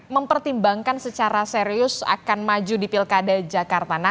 mempertimbangkan secara serius akan maju di pilkada jakarta